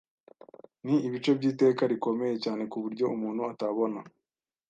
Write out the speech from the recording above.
ni ibice byiteka rikomeye cyane ku buryo umuntu atabona